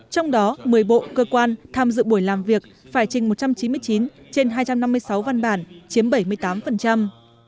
trong đó một mươi bộ cơ quan tham dự buổi làm việc phải trình một trăm chín mươi chín trên hai trăm năm mươi sáu văn bản chiếm bảy mươi tám